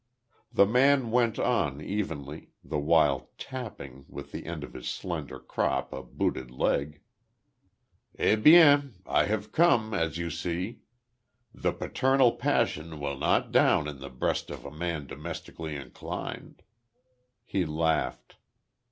The man went on, evenly, the while tapping; with the end of his slender crop a booted leg: "Eh bien, I have come, as you see. The paternal passion will not down in the breast of a man domestically inclined." He laughed.